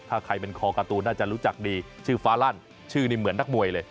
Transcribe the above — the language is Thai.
ถ้าใครเป็นคอการ์ตูนน่าจะรู้จักดีชื่อฟ้าลั่นชื่อนี่เหมือนนักมวยเลย